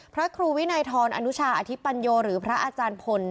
พระครูวินัยทรอนุชาอธิปัญโยหรือพระอาจารย์พล